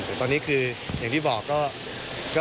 แต่ตอนนี้คืออย่างที่บอกก็